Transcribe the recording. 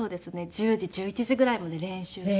１０時１１時ぐらいまで練習して。